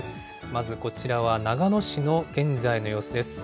まずこちらは、長野市の現在の様子です。